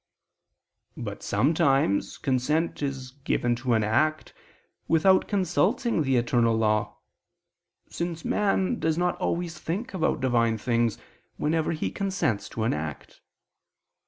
But sometimes consent is given to an act, without consulting the eternal law: since man does not always think about Divine things, whenever he consents to an act.